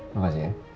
terima kasih ya